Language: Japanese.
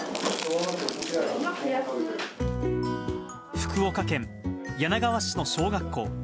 福岡県柳川市の小学校。